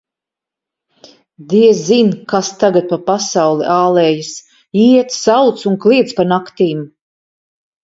Diezin, kas tagad pa pasauli ālējas: iet, sauc un kliedz pa naktīm.